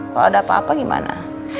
kalau ada apa apa gimana